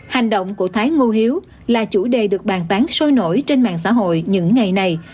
hành động của thái ngô hiếu là chủ đề được bàn tán sôi nổi trên mạng xã hội những ngày này